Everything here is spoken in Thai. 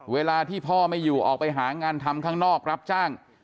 เวลาที่พ่อไม่อยู่ออกไปหางานทำข้างนอกรับจ้าง